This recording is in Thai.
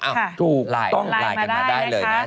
อ้าวไลน์กันมาได้เลยนะ